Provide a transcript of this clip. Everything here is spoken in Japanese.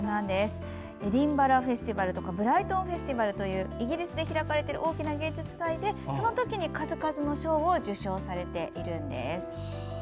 エジンバラフェスティバルブライトンフェスティバルというイギリスで開かれている大きな芸術祭でそのときに数々の賞を受賞されているんです。